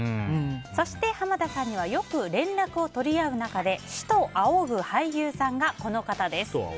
そして、濱田さんにはよく連絡を取り合う仲で師と仰ぐ俳優さんがこの方です。